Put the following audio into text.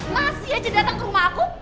masih aja datang ke rumah aku